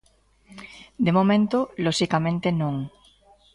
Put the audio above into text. De momento, loxicamente non.